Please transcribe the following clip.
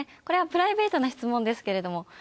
これはプライベートな質問ですけども。